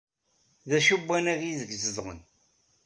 D acu n wannag aydeg zedɣen?